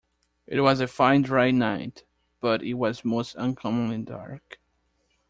It was a fine dry night, but it was most uncommonly dark.